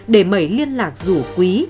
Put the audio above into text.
để mẩy liên lạc rủ quý